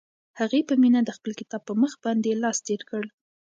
هغې په مینه د خپل کتاب په مخ باندې لاس تېر کړ.